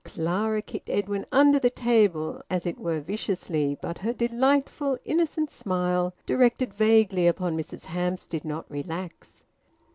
Clara kicked Edwin under the table, as it were viciously, but her delightful innocent smile, directed vaguely upon Mrs Hamps, did not relax.